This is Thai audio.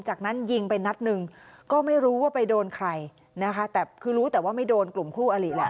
จากนั้นยิงไปนัดหนึ่งก็ไม่รู้ว่าไปโดนใครนะคะแต่คือรู้แต่ว่าไม่โดนกลุ่มคู่อลิแหละ